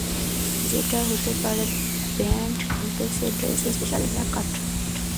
যেটা হতে পারে ব্যান্ড ক্যাম্পের ড্রেস, স্পেশাল হেয়ারকাট।